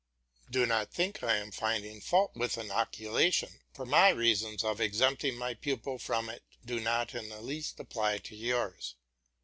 Do not think I am finding fault with inoculation, for my reasons for exempting my pupil from it do not in the least apply to yours.